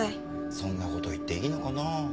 そんな事言っていいのかなあ？